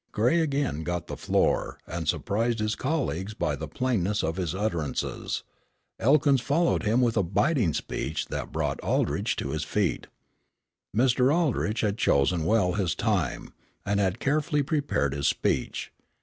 Gray again got the floor, and surprised his colleagues by the plainness of his utterances. Elkins followed him with a biting speech that brought Aldrich to his feet. Mr. Aldrich had chosen well his time, and had carefully prepared his speech.